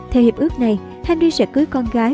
theo hiệp ước này henry sẽ cưới con gái